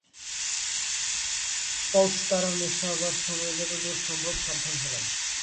পলস্তারা মেশাবার সময়ে যতদূর সম্ভব সাবধান হলাম।